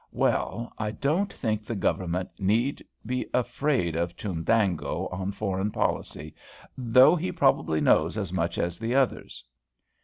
"Well, I don't think the Government need be afraid of Chundango on foreign policy, though he probably knows as much as the others."